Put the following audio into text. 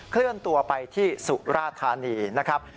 เคลื่อนตัวไปที่สุราธานีนะครับ